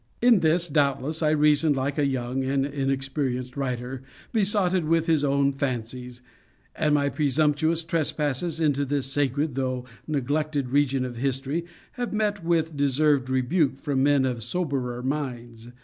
In this, doubtless, I reasoned like a young and inexperienced writer, besotted with his own fancies; and my presumptuous trespasses into this sacred, though neglected, region of history have met with deserved rebuke from men of soberer minds.